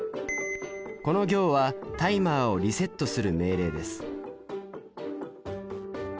この行はタイマーをリセットする命令です。